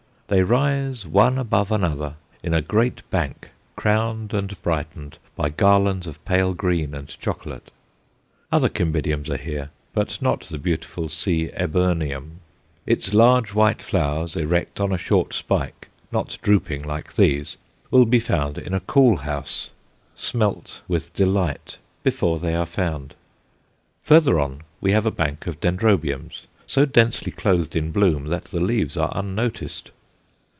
They rise one above another in a great bank, crowned and brightened by garlands of pale green and chocolate. Other Cymbidiums are here, but not the beautiful C. eburneum. Its large white flowers, erect on a short spike, not drooping like these, will be found in a cool house smelt with delight before they are found. Further on we have a bank of Dendrobiums, so densely clothed in bloom that the leaves are unnoticed.